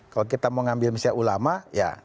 kalau kita mau ngambil misalnya ulama ya